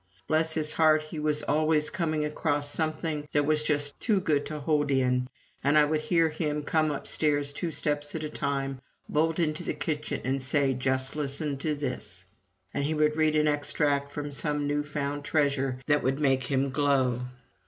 Bless his heart, he was always coming across something that was just too good to hold in, and I would hear him come upstairs two steps at a time, bolt into the kitchen, and say: "Just listen to this!" And he would read an extract from some new found treasure that would make him glow.